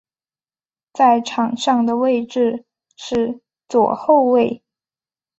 在场上的位置是左后卫。